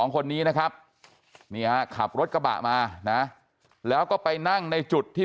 คนนี้นะครับนี่ฮะขับรถกระบะมานะแล้วก็ไปนั่งในจุดที่